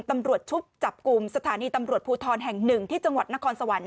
ตำรวจชุดจับกลุ่มสถานีตำรวจภูทรแห่ง๑ที่จังหวัดนครสวรรค